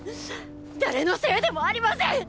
誰のせいでもありません！